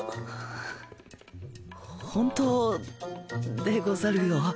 本当でござるよ。